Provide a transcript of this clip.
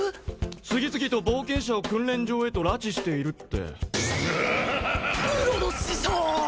次々と冒険者を訓練場へと拉致しているってブロド師匠！